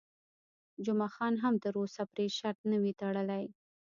جمعه خان هم تر اوسه پرې شرط نه وي تړلی.